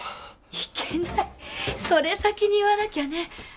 いけないそれ先に言わなきゃね